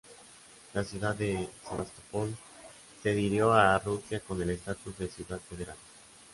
La ciudad de Sebastopol se adhirió a Rusia con el estatus de ciudad federal.